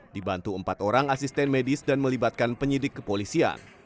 dibantu empat orang asisten medis dan melibatkan penyidik kepolisian